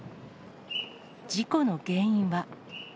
事故の原因は。